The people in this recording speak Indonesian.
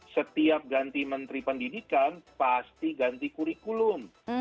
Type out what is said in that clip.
setiap ganti menteri pendidikan pasti ganti kurikulum